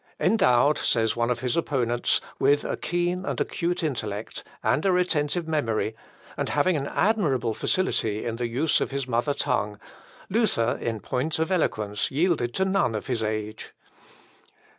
"Endowed," says one of his opponents, "with a keen and acute intellect, and a retentive memory, and having an admirable facility in the use of his mother tongue, Luther, in point of eloquence, yielded to none of his age.